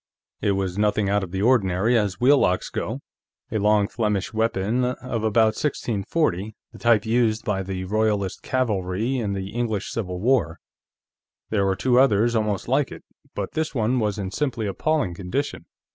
It was nothing out of the ordinary, as wheel locks go; a long Flemish weapon of about 1640, the type used by the Royalist cavalry in the English Civil War. There were two others almost like it, but this one was in simply appalling condition.